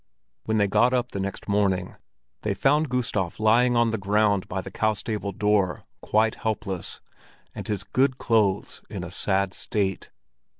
When they got up the next morning, they found Gustav lying on the ground by the cow stable door, quite helpless, and his good clothes in a sad state.